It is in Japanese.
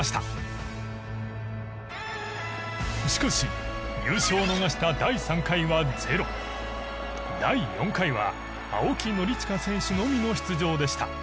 しかし優勝を逃した第３回は０第４回は青木宣親選手のみの出場でした。